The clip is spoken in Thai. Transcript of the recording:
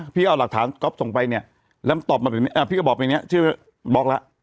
พี่เอาหลักฐานก็ส่งไปเนี้ยแล้วมันตอบแบบนี้อ่าพี่ก็บอกแบบเนี้ยชื่อบล็อกละ